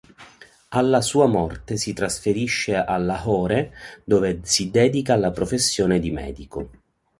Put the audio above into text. Alla sua morte si trasferisce a Lahore, dove si dedica alla professione di medico.